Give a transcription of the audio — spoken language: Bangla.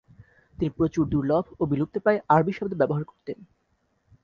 তিনি প্রচুর দুর্লভ ও বিলুপ্তপ্রায় আরবি শব্দ ব্যবহার করতেন।